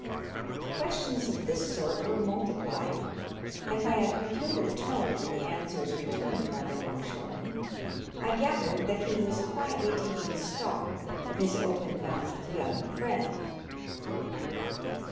Questions of this sort were multiplied, and by a peculiar tone in the answers returned by the 'longshoreman I gathered that he was quietly taking stock of his open mouthed young friend.